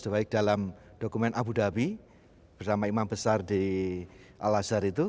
sebaik dalam dokumen abu dhabi bersama imam besar di al azhar itu